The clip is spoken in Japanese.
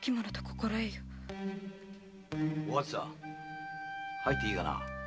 お初さん入ってもいいかな？